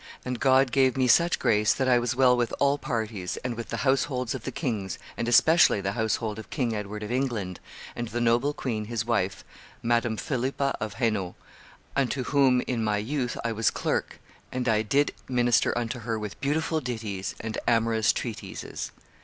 And God gave me such grace that I was well with all parties, and with the households of the kings, and, especially, the household of King Edward of England, and the noble queen his wife, Madame Philippa of Hainault, unto whom, in my youth, I was clerk, and I did minister unto her with beautiful ditties and amorous treatises.